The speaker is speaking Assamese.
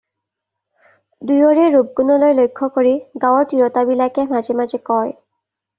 দুয়োৰে ৰূপ-গুণলৈ লক্ষ্য কৰি গাৱঁৰ তিৰোতাবিলাকে মাজে মাজে কয়।